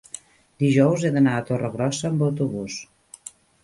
dijous he d'anar a Torregrossa amb autobús.